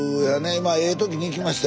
まあええ時に行きましたよ